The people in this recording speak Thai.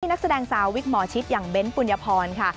นักแสดงสาววิกหมอชิตอย่างเบ้นปุญพรค่ะ